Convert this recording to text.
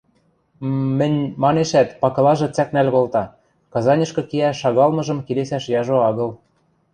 – М-м-мӹнь... – манешӓт, пакылажы цӓкнӓл колта, Казаньышкы кеӓш шагалмыжым келесӓш яжо агыл.